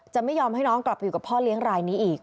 ไม่ยอมให้น้องกลับไปอยู่กับพ่อเลี้ยงรายนี้อีก